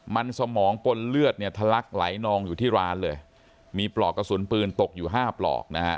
มันสมองปนเลือดเนี่ยทะลักไหลนองอยู่ที่ร้านเลยมีปลอกกระสุนปืนตกอยู่ห้าปลอกนะฮะ